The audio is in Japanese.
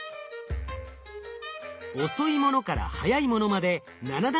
遅いものから速いものまで７段階で用意。